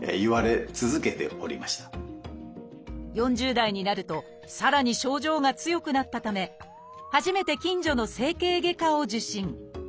４０代になるとさらに症状が強くなったため初めて近所の整形外科を受診。